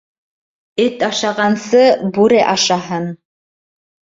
Эт ашағансы, бүре ашаһын.